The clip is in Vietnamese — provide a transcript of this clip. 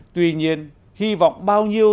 tuy nhiên hy vọng bao nhiêu